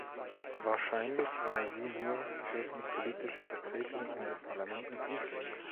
Wahrscheinlich war sie nur für die politische Vertretung in den Parlamenten zuständig.